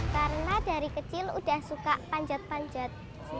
karena dari kecil sudah suka panjat panjat